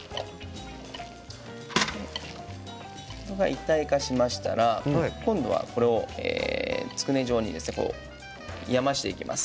一体化しましたら、今度はこれをつくね状にやましていきます。